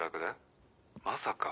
まさか」